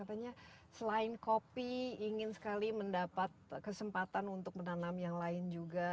katanya selain kopi ingin sekali mendapat kesempatan untuk menanam yang lain juga